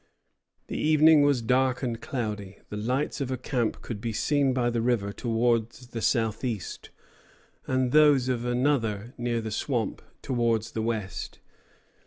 The evening was dark and cloudy. The lights of a camp could be seen by the river towards the southeast, and those of another near the swamp towards the west.